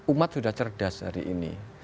umat sudah cerdas hari ini